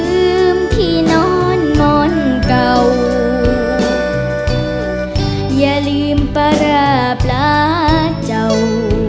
อย่าลืมที่นอนมอนเก่าอย่าลืมประประเจ้า